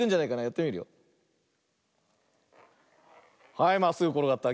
はいまっすぐころがった。